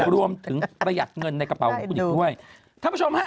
รวมถึงประหยัดเงินในกระเป๋าของคุณอีกด้วย